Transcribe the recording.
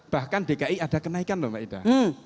bahkan dki ada kenaikan loh maida